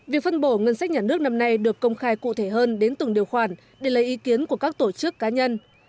việc phân bổ ngân sách nhà nước năm nay được công khai cụ thể hơn đến từng điều khoản để lấy ý kiến của các tổ chức cá nhân